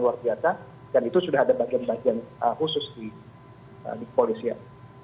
jadi saya kira keputusan ini tidak punya pengaruh besar ke kinerja kepolisian